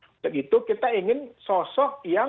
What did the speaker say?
untuk itu kita ingin sosok yang